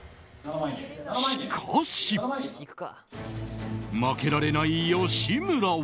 しかし、負けられない吉村は。